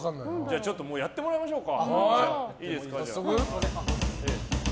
ちょっとやってもらいましょうか。